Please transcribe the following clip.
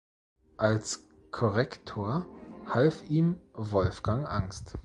Als Korrektor half ihm Wolfgang Angst.